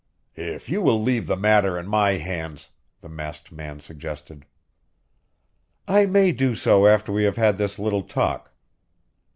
"If you will leave the matter in my hands " the masked man suggested. "I may do so after we have had this little talk.